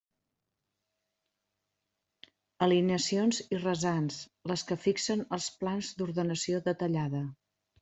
Alineacions i rasants: les que fixen els plans d'ordenació detallada.